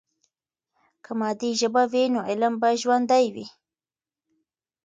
که مادي ژبه وي، نو علم به ژوندۍ وي.